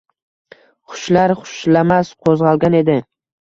Xushlar-xushlamas qo‘zg‘algan edi.